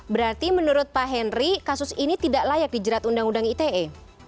berarti menurut pak henry kasus ini tidak layak dijerat undang undang ite